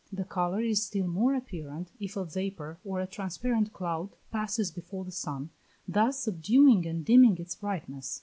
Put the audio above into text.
The colour is still more apparent if a vapour or a transparent cloud passes before the sun, thus subduing and dimming its brightness.